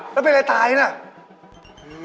แล้วเป็นอะไรตายน่ะ